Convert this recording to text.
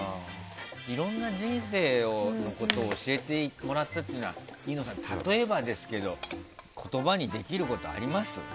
いろんな人生のことを教えてもらったというのは飯野さん、例えばですけど言葉にできることあります？